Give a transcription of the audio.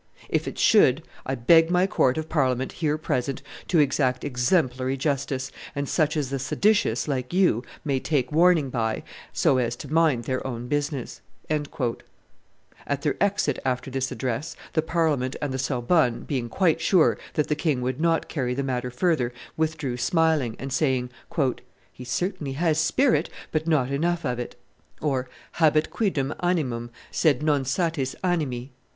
If it should, I beg my court of Parliament, here present, to exact exemplary justice, and such as the seditious, like you, may take warning by, so as to mind their own business." At their exit after this address, the Parliament and the Sorbonne, being quite sure that the king would not carry the matter further, withdrew smiling, and saying, "He certainly has spirit, but not enough of it" (habet quidem animum, sed non satis animi).